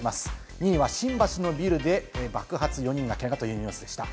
２位は新橋のビルで爆発、４人がけがというニュースでした。